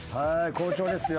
好調ですよ。